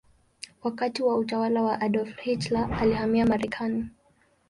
Wakati wa utawala wa Adolf Hitler alihamia Marekani.